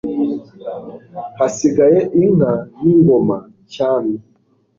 Hasigaye inka n'ingoma cyami